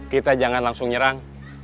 kita jangan langsung nyerang